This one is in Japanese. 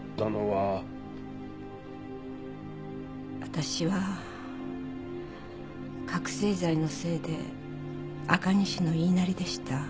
私は覚せい剤のせいで赤西の言いなりでした。